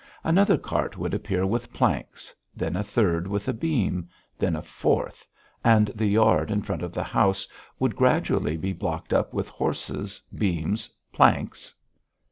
Another cart would appear with planks; then a third with a beam; then a fourth ... and the yard in front of the house would gradually be blocked up with horses, beams, planks.